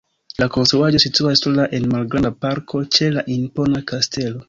La konstruaĵo situas sola en malgranda parko ĉe la impona kastelo.